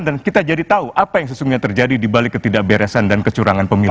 dan kita jadi tahu apa yang sesungguhnya terjadi di balik ketidakberesan dan kecurangan pemilu